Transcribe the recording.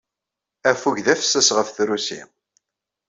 Affug d afessas ɣef trusi.